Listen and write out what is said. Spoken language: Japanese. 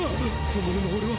本物の俺は！？